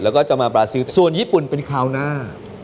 แล้วก็จะมาบราซิฟส่วนญี่ปุ่นเป็นคราวหน้า